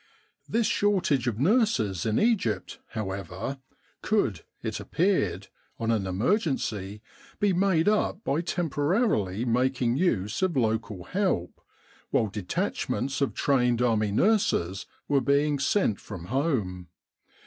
This shortage of nurses in Egypt, however, could, it appeared, on an emergency, be made up by temporarily making use of local help, while detach ments of trained Army nurses were being sent from home.